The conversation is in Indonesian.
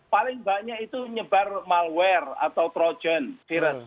paling banyak itu menyebar malware atau progen virus